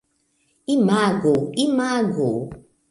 Imagu... imagu...